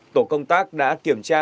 tổ công tác đã xử lý vi phạm